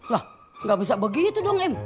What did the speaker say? lah gak bisa begitu dong im